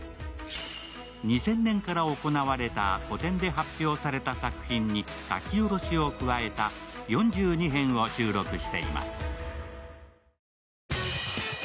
２０００年から行われた個展で発表された作品に書き下ろしを加えた４２編を収録しています。